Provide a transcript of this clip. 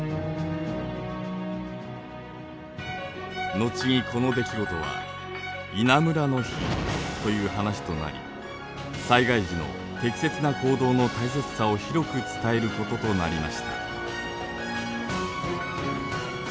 後にこの出来事は「稲むらの火」という話となり災害時の適切な行動の大切さを広く伝えることとなりました。